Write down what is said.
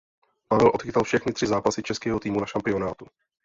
Pavel odchytal všechny tři zápasy českého týmu na šampionátu.